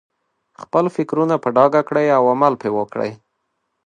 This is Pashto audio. خپل فکرونه په ډاګه کړئ او عمل پرې وکړئ.